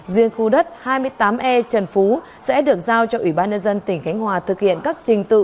riêng khu đất hai mươi tám e trần phú sẽ được giao cho ủy ban nhân dân tỉnh khánh hòa thực hiện các trình tự